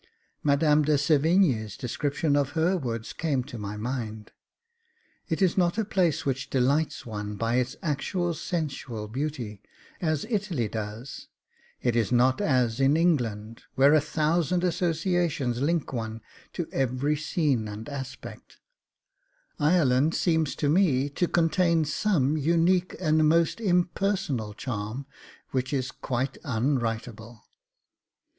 Madame de Sevigne's descriptions of her woods came to my mind. It is not a place which delights one by its actual sensual beauty, as Italy does; it is not as in England, where a thousand associations link one to every scene and aspect Ireland seems to me to contain some unique and most impersonal charm, which is quite unwritable.